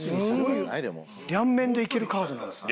両面でいけるカードなんですね。